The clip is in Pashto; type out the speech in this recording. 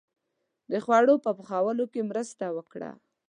• د خوړو په پخولو کې مرسته وکړه.